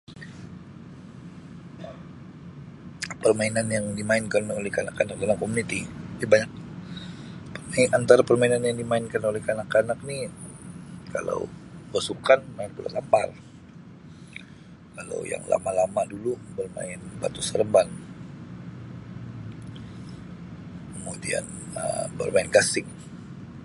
Permainan yang dimainkan oleh kanak-kanak dalam komuniti Um banyak Um perminan antara permainan yang dimainkan oleh kanak-kanak ni kalau besukan main bola tampar kalau yang lama-lama dulu bermain batu seremban kemudian Um bermain gasing.